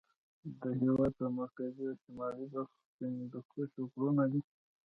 د هېواد په مرکزي او شمالي برخو کې د هندوکش غرونه دي.